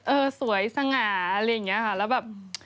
เออสวยสง่าอะไรอย่างนี้ค่ะแล้วแบบ